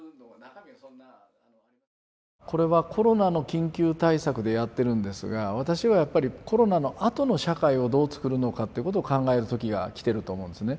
これはコロナの緊急対策でやってるんですが私はやっぱりコロナのあとの社会をどうつくるのかっていうことを考える時が来てると思うんですね。